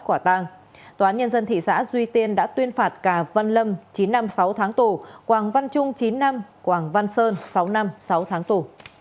tòa án nhân dân thị xã duy tiên đã tuyên phạt cà văn lâm chín năm sáu tháng tù quảng văn trung chín năm quảng văn sơn sáu năm sáu tháng tù